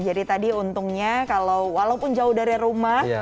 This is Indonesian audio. jadi tadi untungnya kalau walaupun jauh dari rumah